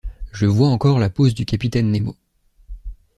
Je vois encore la pose du capitaine Nemo.